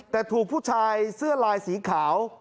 แต่ถูกผู้ชายเสื้อลายสีขาว